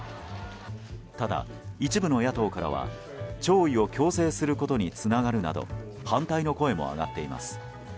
ただ、一部の野党からは弔意を強制することにつながるなど反対の声も上がっています。